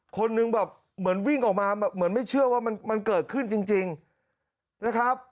คนหนึ่งแบบเหมือนวิ่งออกมาเหมือนไม่เชื่อว่ามันเกิดขึ้นจริงนะครับ